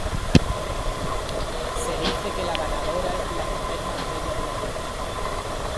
Se dice que la ganadora es la mujer más bella de la Tierra.